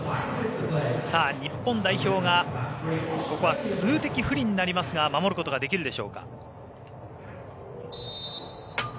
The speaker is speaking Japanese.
日本代表がここは数的不利になりますが守ることができるでしょうか。